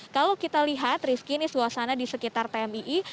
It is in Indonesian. kalau kita lihat rizky ini suasana di sekitar tmii